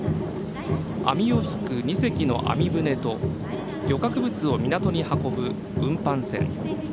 網を引く２隻の網船と漁獲物を港に運ぶ運搬船。